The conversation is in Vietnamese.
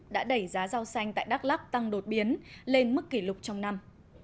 đã đẩy giá rau xanh tại đắk lắc tăng đột biến lên mức kỷ lục trong năm